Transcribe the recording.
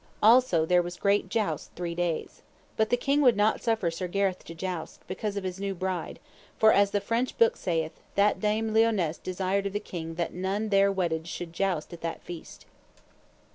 Also there was great jousts three days. But the king would not suffer Sir Gareth to joust, because of his new bride; for, as the French book saith, that Dame Lionesse desired of the king that none that were wedded should joust at that feast.